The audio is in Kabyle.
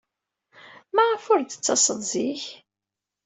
Maɣef ur d-tettaseḍ zik?